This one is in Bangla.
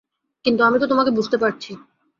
কিন্তু আমি তো তোমাকে বুঝতে পারছি।